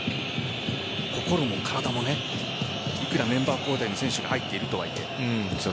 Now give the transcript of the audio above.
心も体もいくらメンバー交代の選手が入ってるとはいえ。